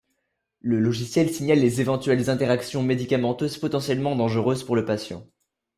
Le logiciel signale les éventuelles interactions médicamenteuses potentiellement dangereuses pour le patient.